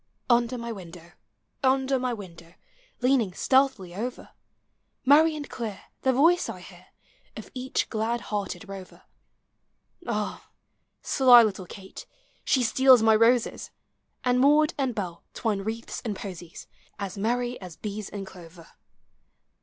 Under my window, under my window, Leaning stealthily over, Merry and clear, the voice I hear, Of each glad hearted rover. Ah! sly little Kate, she steals my roses; And Maud and Hell twine wreaths and posies, As merry as bees in clover.